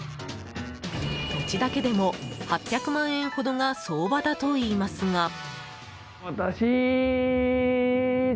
土地だけでも８００万円ほどが相場だといいますが。